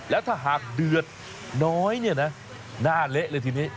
แล้วถ้าหากเดือดน้อยเนี่ยนะหน้าเละเลยทีนี้